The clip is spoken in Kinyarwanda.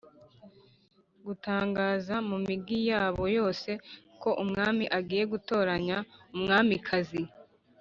gutangaza mu migi yabo yose ko umwami agiye gutoranya umwamikazi